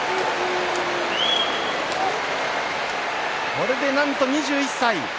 これでなんと２１歳。